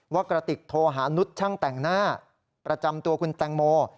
กระติกโทรหานุษย์ช่างแต่งหน้าประจำตัวคุณแตงโม